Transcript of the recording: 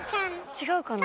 違うかな？